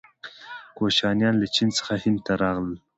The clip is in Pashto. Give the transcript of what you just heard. کوشانیان له چین څخه هند ته راغلل.